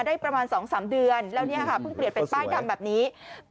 ได้ประมาณ๒๓เดือนแล้วเนี่ยค่ะเพิ่งเปลี่ยนเป็นป้ายดำแบบนี้